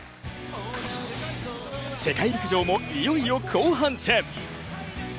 世界陸上も、いよいよ後半戦。